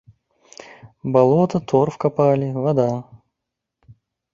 Балота, торф капалі, вада.